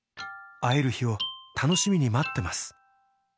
「会える日を楽しみに待ってます」